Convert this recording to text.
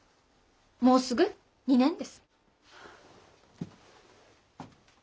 もうすぐ２年です。